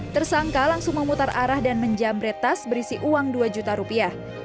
tersangka langsung memutar arah dan menjamret tas berisi uang dua juta rupiah